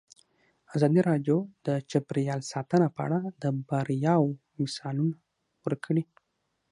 ازادي راډیو د چاپیریال ساتنه په اړه د بریاوو مثالونه ورکړي.